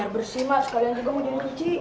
bersih mah sekalian juga mau jadi cuci